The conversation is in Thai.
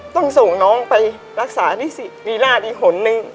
ต้องส่งน้องไปรักษาที่ศรีราชอีกหนึ่ง